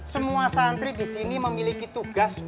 semua santri di sini memiliki tugas